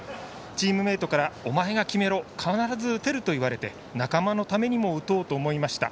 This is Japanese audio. チームメートからお前が決めろ必ず打てると言われて仲間のためにも打とうと思いました。